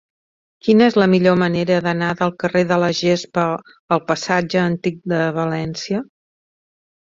Quina és la millor manera d'anar del carrer de la Gespa al passatge Antic de València?